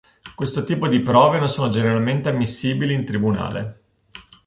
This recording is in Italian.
Questo tipo di prove non sono generalmente ammissibili in tribunale.